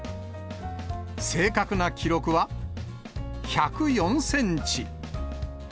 正確な記録は、１０４センチ。